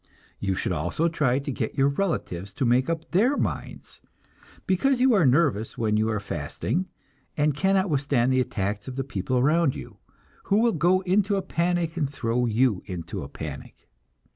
You should also try to get your relatives to make up their minds, because you are nervous when you are fasting, and cannot withstand the attacks of the people around you, who will go into a panic and throw you into a panic.